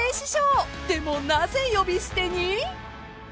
［でもなぜ呼び捨てに？］